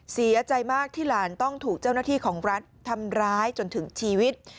เสียใจมากที่หลานต้องถูกเจ้าหน้าที่ของรัฐทำร้ายจนถึงชีวิต